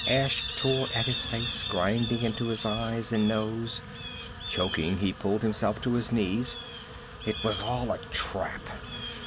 Ash tore at his face, grinding into his eyes and nose. Choking, he pulled himself to his knees. It was all a trap.